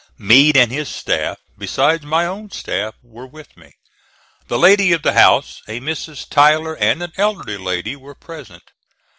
Meade and his staff, besides my own staff, were with me. The lady of the house, a Mrs. Tyler, and an elderly lady, were present.